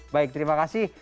baik terima kasih